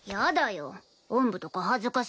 おんぶとか恥ずかしいし。